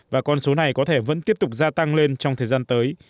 và con số này có thể vẫn tiếp tục gia tăng lên trong thời gian tới